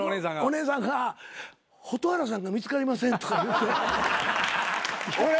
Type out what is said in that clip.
お姉さんが蛍原さんが見つかりませんとか言うて。